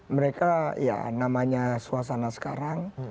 mereka ya namanya suasana sekarang